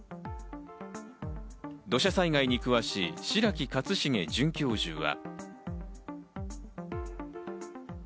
土砂災害に詳しい白木克繁准教授は。